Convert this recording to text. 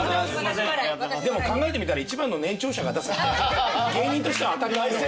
でも考えてみたら一番の年長者が出すって芸人としては当たり前。